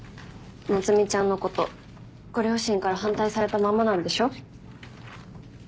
夏海ちゃんのことご両親から反対されたままなんでしょ？